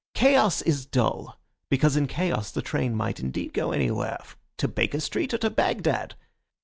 Chaos is dull; because in chaos the train might indeed go anywhere, to Baker Street or to Bagdad.